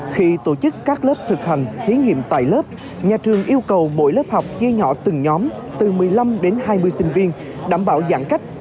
khi tổ chức các lớp thực hành thí nghiệm tại lớp nhà trường yêu cầu mỗi lớp học chia nhỏ từng nhóm từ một mươi năm đến hai mươi sinh viên đảm bảo giãn cách